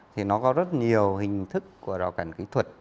thì nó có rất nhiều hình thức của rào cản kỹ thuật